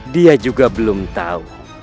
dia juga belum tahu